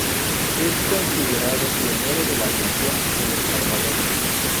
Es considerado pionero de la aviación en El Salvador.